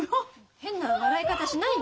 変な笑い方しないで。